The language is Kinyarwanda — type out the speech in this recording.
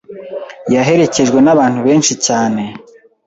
yaherekejwe n’abantu benshi cyane,